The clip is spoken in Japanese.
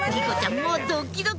もうドキドキ！